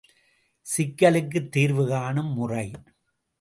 சிக்கலுக்குத் தீர்வு காணும் முறை.